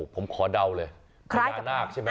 ผมขอเดาเลยพญานาคใช่ไหม